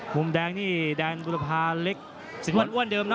มุมแดงหนี้แดงบุรพาเล็กสิ่งอ้อนเดิมเนอะ